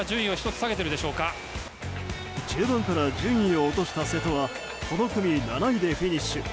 中盤から順位を落とした瀬戸はこの組７位でフィニッシュ。